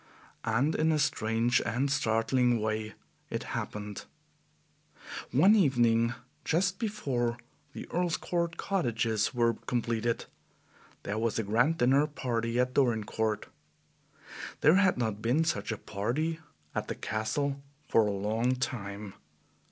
And in a strange and startling way it happened. One evening, just before the Earl's Court cottages were completed, there was a grand dinner party at Dorincourt. There had not been such a party at the Castle for a long time.